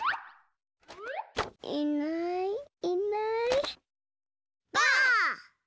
いないいないばあっ！